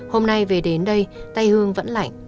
hôm nay về đến đây tay hương vẫn lạnh